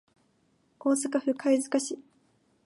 大阪府貝塚市